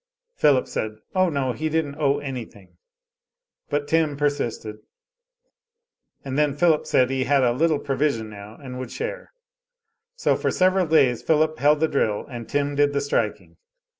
Philip said, Oh, no, he didn't owe anything; but Tim persisted, and then Philip said he had a little provision now, and would share. So for several days Philip held the drill and Tim did the striking.